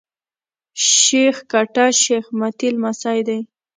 شېخ کټه شېخ متي لمسی دﺉ.